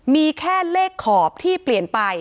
มีแค่เลขขอบที่เปลี่ยนไป